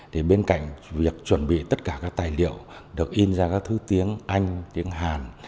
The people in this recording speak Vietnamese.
thì bên cạnh việc chuẩn bị tất cả các tài liệu được in ra các thứ tiếng anh tiếng hàn